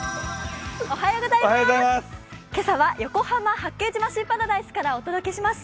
今朝は横浜・八景島シーパラダイスからお届けします。